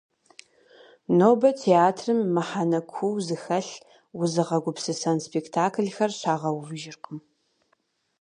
Нобэ театрым мыхьэнэ куу зыхэлъ, узыгъэгупсысэн спектакльхэр щагъэувыжыркъым.